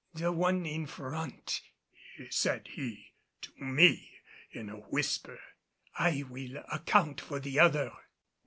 "The one in front," said he to me in a whisper, "I will account for the other."